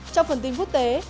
trong phần tin quốc tế